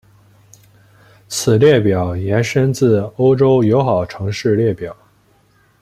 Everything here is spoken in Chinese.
此列表延伸自欧洲友好城市列表。